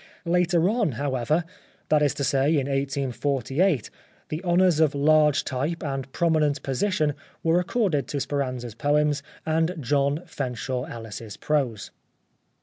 Later on, however, that is to say in 1848, the honours of large type and prominent position were accorded to Speranza's poems and John Fenshaw Ellis's prose.